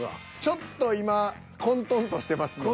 ちょっと今混沌としてますので。